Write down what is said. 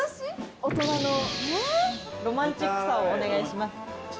大人のロマンチックさをお願いします。